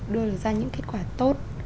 đưa ra những kết quả tốt